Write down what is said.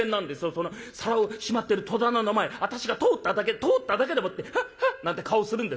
その皿をしまってる戸棚の前私が通っただけで通っただけでもってハッハッなんて顔するんですよ